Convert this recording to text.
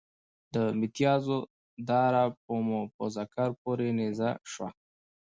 د متیازو داره به مو په ذکر پورې نیزه شوه.